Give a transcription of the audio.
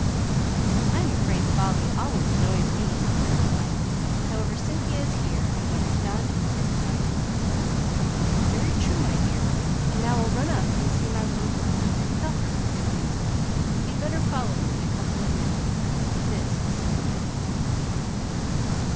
"I am afraid folly always annoys me," said his wife. "However, Cynthia is here, and what is done, is done." "Very true, my dear. And now I'll run up and see my little girl, and tell her the good news. You'd better follow me in a couple of minutes." This to Cynthia.